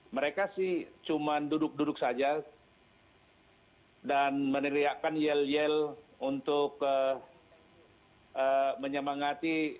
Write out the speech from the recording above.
mereka sih cuma duduk duduk saja dan meneriakan yel yel untuk menyemangati